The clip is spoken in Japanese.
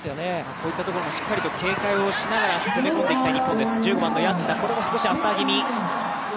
こういったところもしっかりと警戒しながら攻め込んでいきたい日本です。